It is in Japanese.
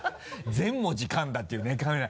全文字かんだっていうねカメラ。